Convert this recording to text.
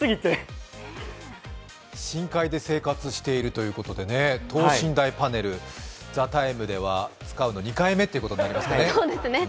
深海で生活しているということで、等身大パネル、「ＴＨＥＴＩＭＥ，」では使うの２回目ということになりますかね。